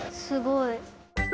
すごい。